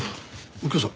右京さん